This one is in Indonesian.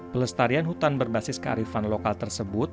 pelestarian hutan berbasis kearifan lokal tersebut